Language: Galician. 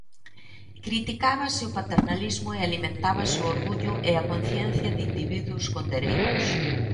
Criticábase o paternalismo e alimentábase o orgullo e a conciencia de individuos con dereitos.